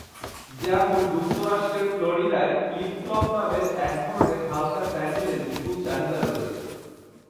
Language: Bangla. যেমন যুক্তরাষ্ট্রের ফ্লোরিডায় ফ্লিপ-ফ্লপ নামের একধরনের হালকা স্যান্ডেলের বিপুল চাহিদা রয়েছে।